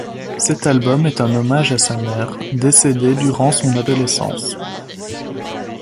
Cet album est un hommage à sa mère, décédée durant son adolescence.